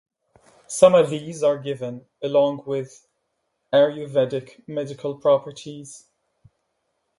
Some of these are given, along with Ayurvedic medical properties.